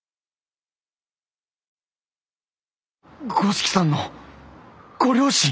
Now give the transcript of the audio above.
五色さんのご両親？